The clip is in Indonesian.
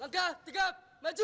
langkah tegak maju